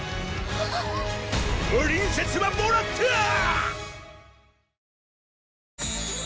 プリンセスはもらったぁ！